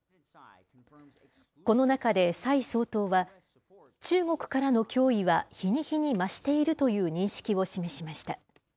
この中で、蔡総統は、中国からの脅威は、日に日に増しているという認識を示しました。